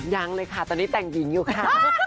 ยังเลยค่ะตอนนี้แต่งหญิงอยู่ค่ะ